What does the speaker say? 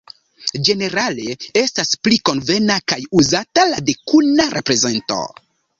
Ĝenerale estas pli konvena kaj uzata la dekuma reprezento.